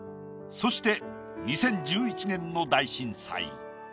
そして２０１１年の大震災。